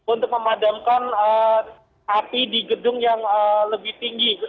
untuk memadamkan api di gedung yang lebih tinggi